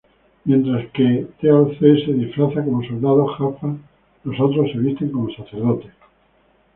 Mientras que Teal'c se disfraza como soldado Jaffa, los otros se visten como sacerdotes.